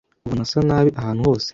ubona asa nabi ahantu hose